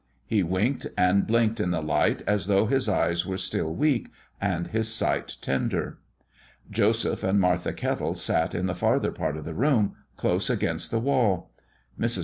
He winked and blinked in the light, as though his eyes were still weak and his sight tender. Joseph and Martha Kettle sat in the farther part of the room, close against the wall. Mrs.